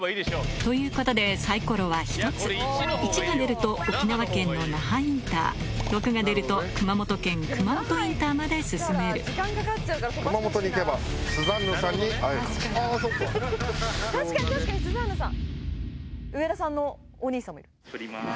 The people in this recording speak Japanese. ということでサイコロは１つ１が出ると沖縄県の那覇インター６が出ると熊本県熊本インターまで進める振ります。